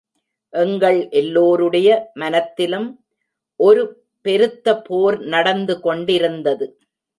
எங்கள் எல்லோருடைய மனத்திலும் ஒரு பெருத்த போர் நடந்து கொண்டிருந்தது.